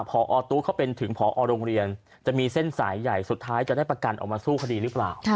พอตู้เขาเป็นถึงพอโรงเรียนจะมีเส้นสายใหญ่สุดท้ายจะได้ประกันออกมาสู้คดีหรือเปล่า